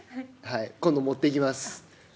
今度持っていきます。